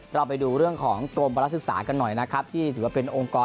เราไปดูเรื่องของกรมพลักษึกษากันหน่อยนะครับที่ถือว่าเป็นองค์กร